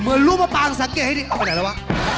รูปมะปางสังเกตให้ดีเอาไปไหนแล้ววะ